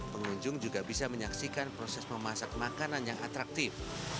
pengunjung juga bisa menyaksikan proses memasak makanan yang atraktif